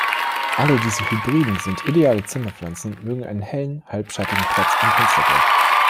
Alle diese Hybriden sind ideale Zimmerpflanzen und mögen einen hellen, halbschattigen Platz am Fensterbrett.